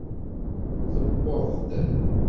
Tewweḍ-d.